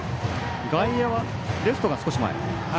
外野は、レフトが少し前。